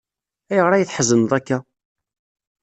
Ayɣer ay tḥezneḍ akka?